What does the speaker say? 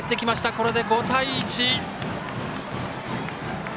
これで５対１。